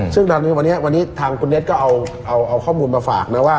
ซึ่งตอนนี้วันนี้ทางคุณเน็ตก็เอาข้อมูลมาฝากนะว่า